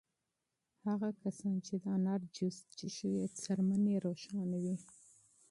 هغه کسان چې د انار جوس څښي پوستکی یې روښانه وي.